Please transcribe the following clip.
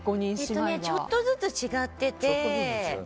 ちょっとずつ違ってて。